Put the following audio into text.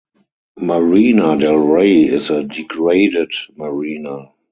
Marina Del Rey is a dredged marina.